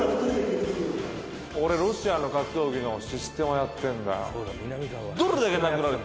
俺ロシアの格闘技のシステマやってんだよ